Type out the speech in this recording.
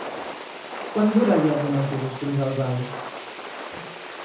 Quant dura el viatge en autobús fins a Albal?